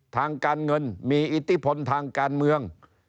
ทางการเงินมีอิทธิพลทางการเมือง